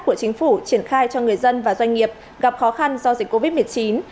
của chính phủ triển khai cho người dân và doanh nghiệp gặp khó khăn do dịch covid một mươi chín